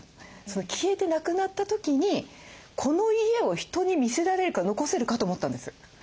その消えてなくなった時にこの家を人に見せられるか残せるか」と思ったんです。